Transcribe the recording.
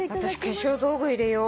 化粧道具入れよう。